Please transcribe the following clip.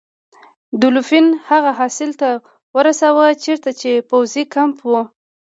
دولفین هغه ساحل ته ورساوه چیرته چې پوځي کمپ و.